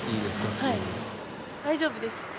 はい大丈夫です。